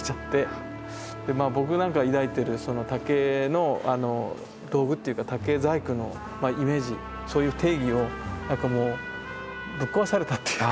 まあ僕なんか抱いてる竹の道具っていうか竹細工のイメージそういう定義をなんかもうぶっ壊されたっていうか。